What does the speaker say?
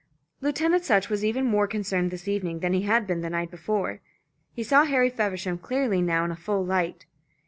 Lieutenant Sutch was even more concerned this evening than he had been the night before. He saw Harry Feversham clearly now in a full light.